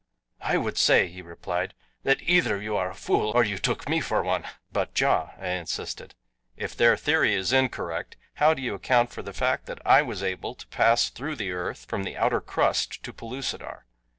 "I would say," he replied, "that either you are a fool, or took me for one." "But, Ja," I insisted, "if their theory is incorrect how do you account for the fact that I was able to pass through the earth from the outer crust to Pellucidar.